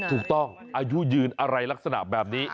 อายุยืนอะไรลักษณะแบบนี้